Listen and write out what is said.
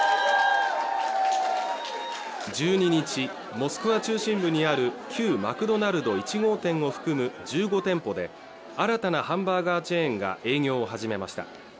１２日モスクワ中心部にある旧マクドナルド１号店を含む１５店舗で新たなハンバーガーチェーンが営業を始めました